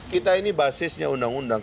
kita ini basisnya undang undang